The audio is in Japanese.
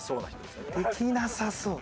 できなさそう。